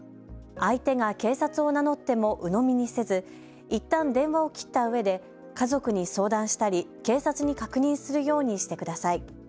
相手が警察を名乗ってもうのみにせず、いったん電話を切ったうえで家族に相談したり警察に確認するようにしてください。